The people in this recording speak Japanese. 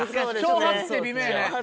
長髪って微妙やね。